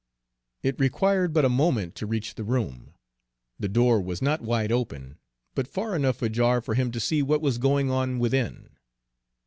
It required but a moment to reach the room. The door was not wide open, but far enough ajar for him to see what was going on within.